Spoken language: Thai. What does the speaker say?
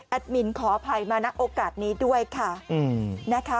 แอดมินขออภัยมานักโอกาสนี้ด้วยค่ะ